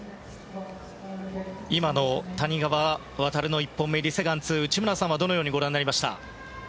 今の谷川航の１本目リ・セグァン２、内村さんはどのようにご覧になりましたか？